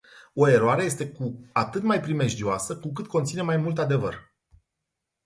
O eroare este cu atât mai primejdioasă, cu cât conține mai mult adevăr.